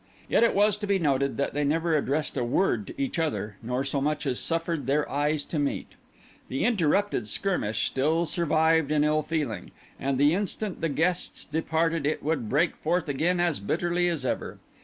Yet it was to be noted that they never addressed a word to each other, nor so much as suffered their eyes to meet. The interrupted skirmish still survived in ill feeling; and the instant the guests departed it would break forth again as bitterly as ever.